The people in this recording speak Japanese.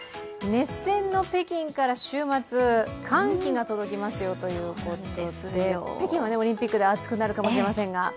熱戦の北京から週末、寒気が届きますよということで、北京はオリンピックで熱くなるかもしれませんが。